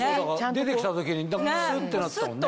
出てきた時にスッてなってたもんね。